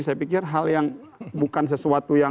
saya pikir hal yang bukan sesuatu yang